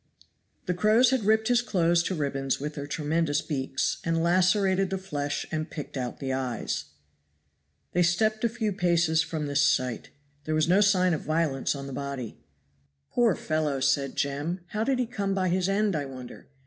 The crows had ripped his clothes to ribbons with their tremendous beaks, and lacerated the flesh and picked out the eyes. They stepped a few paces from this sight. There was no sign of violence on the body. "Poor fellow!" said Jem. "How did he come by his end, I wonder?"